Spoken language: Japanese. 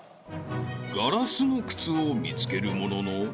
［ガラスの靴を見つけるものの］